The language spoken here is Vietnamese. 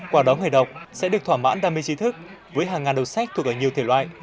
quả đóng người đọc sẽ được thỏa mãn đam mê chiến thức với hàng ngàn đầu sách thuộc ở nhiều thể loại